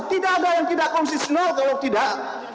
tidak ada yang tidak konsisten kalau tidak